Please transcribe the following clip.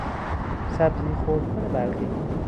سبزی خردکن برقی